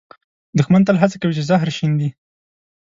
دښمن تل هڅه کوي چې زهر شیندي